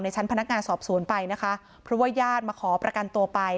ชั้นพนักงานสอบสวนไปนะคะเพราะว่าญาติมาขอประกันตัวไป